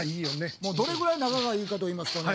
もうどれぐらい仲がいいかと言いますとね